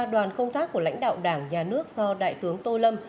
đoàn công tác của lãnh đạo đảng nhà nước do đại tướng tô lâm